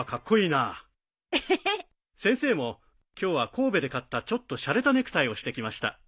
先生も今日は神戸で買ったちょっとしゃれたネクタイをしてきました。